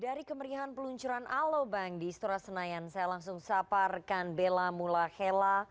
dari kemerihan peluncuran alobank di istora senayan saya langsung saparkan bella mulahela